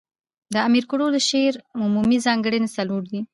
د امیر کروړ د شعر عمومي ځانګړني، څلور دي.